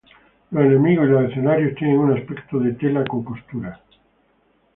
Los enemigos y los escenarios tienen un aspecto de tela con costuras.